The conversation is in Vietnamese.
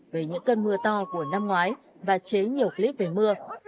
về những cơn mưa to của năm ngoái và chế nhiều clip về mưa